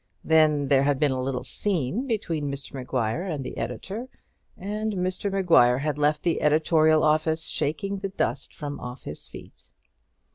Then there had been a little scene between Mr Maguire and the editor, and Mr Maguire had left the editorial office shaking the dust from off his feet.